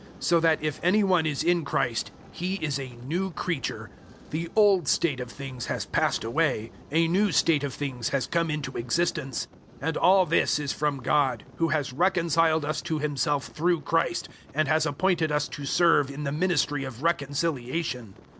005:017 So that if any one is in Christ, he is a new creature: the old state of things has passed away; a new state of things has come into existence. 005:018 And all this is from God, who has reconciled us to Himself through Christ, and has appointed us to serve in the ministry of reconciliation.